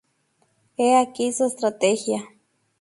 He aquí su estrategia.